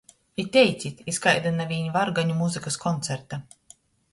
I teicit iz kaida naviņ vargaņu muzykys koncerta!